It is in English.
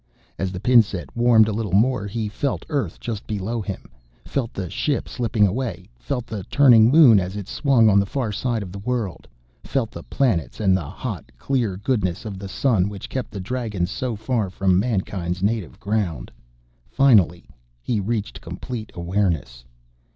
As the pin set warmed a little more, he felt Earth just below him, felt the ship slipping away, felt the turning Moon as it swung on the far side of the world, felt the planets and the hot, clear goodness of the Sun which kept the Dragons so far from mankind's native ground. Finally, he reached complete awareness.